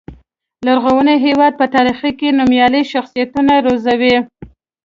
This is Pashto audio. لرغوني هېواد په تاریخ کې نومیالي شخصیتونه روزلي.